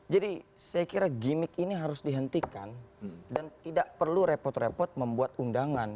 saya kira gimmick ini harus dihentikan dan tidak perlu repot repot membuat undangan